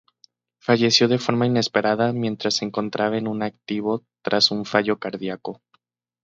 Falleció de forma inesperada, mientras se encontraba en activo, tras un fallo cardiaco.